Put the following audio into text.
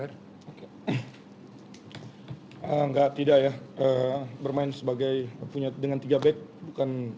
dan menurut kesempatan